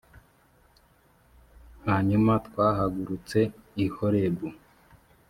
hanyuma twahagurutse i horebu